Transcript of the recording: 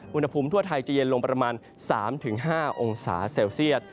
อุณหภูมิทั่วไทยจะเย็นลงประมาณ๓๕องศาเซลเซียต